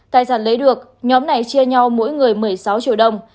tài sản lấy được nhóm này chia nhau mỗi người một mươi sáu triệu đồng